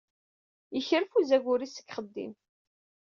Yekref uzagur-is seg uxeddim.